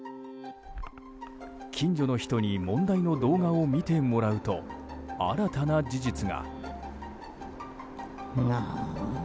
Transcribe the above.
近所の人に問題の動画を見てもらうと新たな事実が。